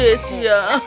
iya gede sih ya